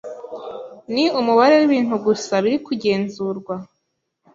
ni umubare w'ibintu gusa biri kugenzurwa